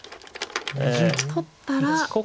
取ったら。